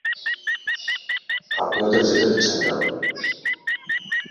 আপনি ওদের যেতে দিচ্ছেন কেন?